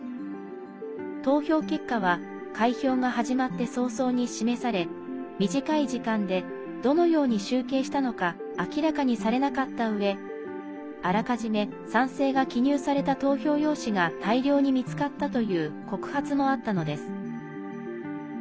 投票結果は開票が始まって早々に示され短い時間でどのように集計したのか明らかにされなかったうえあらかじめ賛成が記入された投票用紙が大量に見つかったという告発もあったのです。